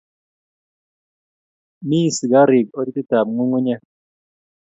mii sikarik orititab nyung'unyek.